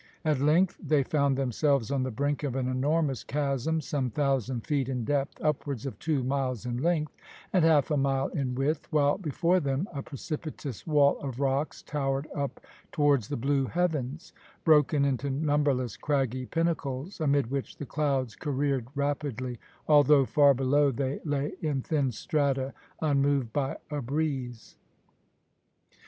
At length they found themselves on the brink of an enormous chasm, some thousand feet in depth, upwards of two miles in length, and half a mile in width, while before them a precipitous wall of rocks towered up towards the blue heavens, broken into numberless craggy pinnacles, amid which the clouds careered rapidly, although far below they lay in thin strata, unmoved by a breeze.